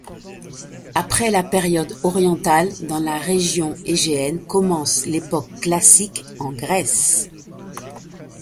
Après la période orientale dans la région Égéenne commence l'Époque classique en Grèce.